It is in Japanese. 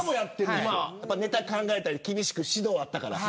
ネタを考えたり厳しく指導あったから。